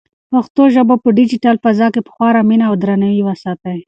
پښتو ژبه په ډیجیټل فضا کې په خورا مینه او درناوي وساتئ.